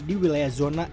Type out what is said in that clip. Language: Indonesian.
di wilayah zona eropa